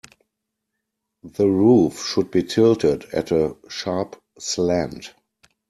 The roof should be tilted at a sharp slant.